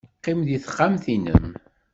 Qqim deg texxamt-nnem.